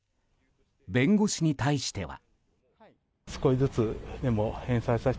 弁護士に対しては。